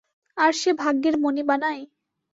আর সে ভাগ্যের মণি বানায়?